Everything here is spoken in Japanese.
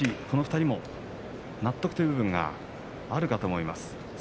この２人も納得という部分があるかと思います。